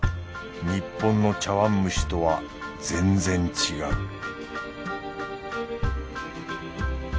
日本の茶碗蒸しとは全然違う